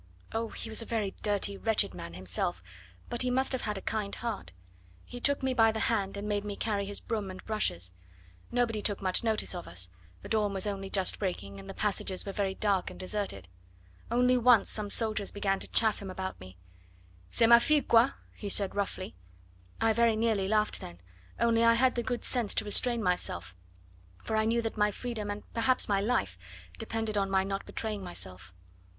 Oh! he was a very dirty, wretched man himself, but he must have had a kind heart. He took me by the hand and made me carry his broom and brushes. Nobody took much notice of us, the dawn was only just breaking, and the passages were very dark and deserted; only once some soldiers began to chaff him about me: 'C'est ma fille quoi?' he said roughly. I very nearly laughed then, only I had the good sense to restrain myself, for I knew that my freedom, and perhaps my life, depended on my not betraying myself.